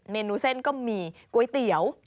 เมนูเส้นก็มีก๋วยเตี๋ยว